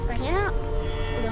udah enggak ada petunjuk